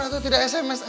aduh tidak sms